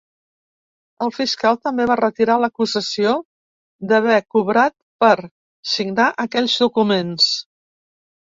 El fiscal també va retirar l’acusació d’haver cobrat per signar aquells documents.